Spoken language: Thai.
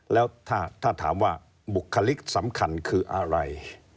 แล้วถ้าถามว่าบุคลิกสำคัญคืออะไร